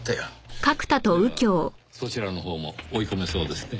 ではそちらのほうも追い込めそうですね。